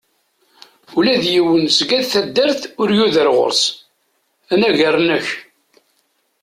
Ula d yiwen seg at taddart ur yuder ɣur-s, anagar nekk.